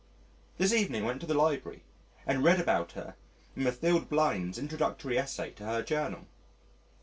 This evening went to the Library and read about her in Mathilde Blind's introductory essay to her Journal.